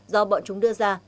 do bọn chúng đưa ra